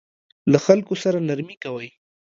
له خلکو سره نرمي کوئ